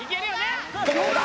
どうだ？